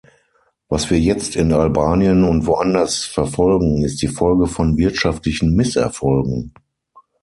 Was wir jetzt in Albanien und woanders verfolgen, ist die Folge von wirtschaftlichen Misserfolgen.